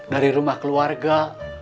dari rumah keluarga